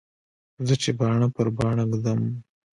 زه چې باڼه پر باڼه ږدم.